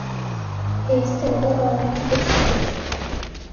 پێوستە لەگەڵ ئەوانی تر بەشی بکەن